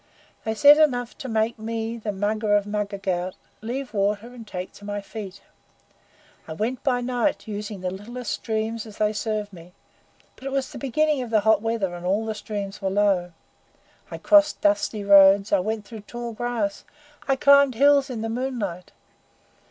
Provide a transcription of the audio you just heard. "They said enough to make me, the Mugger of Mugger Ghaut, leave water and take to my feet. I went by night, using the littlest streams as they served me; but it was the beginning of the hot weather, and all streams were low. I crossed dusty roads; I went through tall grass; I climbed hills in the moonlight.